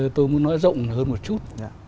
tôi muốn nói rộng hơn một chút